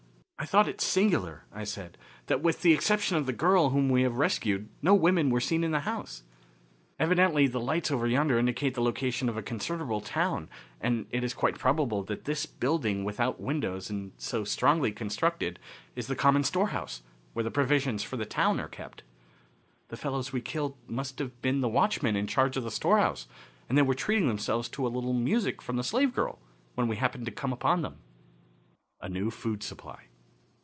"I thought it singular," I said, "that with the exception of the girl whom we have rescued no women were seen in the house. Evidently the lights over yonder indicate the location of a considerable town, and it is quite probable that this building, without windows, and so strongly constructed, is the common storehouse, where the provisions for the town are kept. The fellows we killed must have been the watchmen in charge of the storehouse, and they were treating themselves to a little music from the slave girl when we happened to come upon them." A New Food Supply.